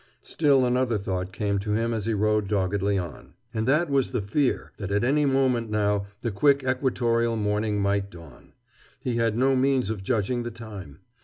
Still another thought came to him as he rowed doggedly on. And that was the fear that at any moment, now, the quick equatorial morning might dawn. He had no means of judging the time.